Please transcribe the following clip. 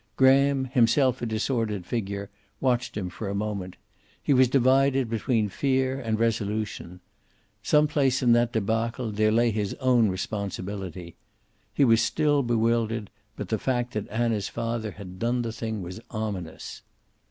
Graham, himself a disordered figure, watched him for a moment. He was divided between fear and resolution. Some place in that debacle there lay his own responsibility. He was still bewildered, but the fact that Anna's father had done the thing was ominous.